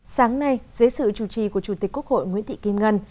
sáng nay dưới sự chủ trì của chủ tịch quốc hội nguyễn thị kim ngân